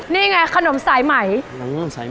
นี่ไงขนมสายไหม